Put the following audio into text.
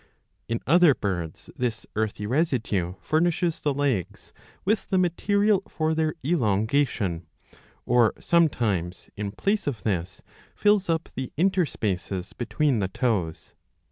In other birds this earthy residue furnishes the legs with the material for their elongation ; or sometimes,, in place of this, fills up the interspaces between the toes.